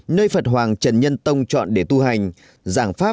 nơi phật hoàng trần nhân tông chọn để tu hành